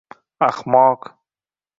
Ahmoq!